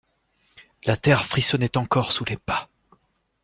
La terre frissonnait encore sous les pas.